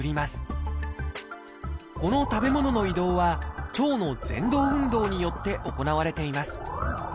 この食べ物の移動は腸のぜん動運動によって行われています。